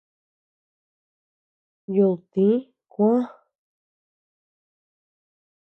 Yudtï kuä.